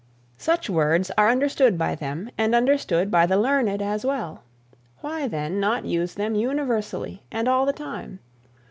Such words are understood by them and understood by the learned as well; why then not use them universally and all the time?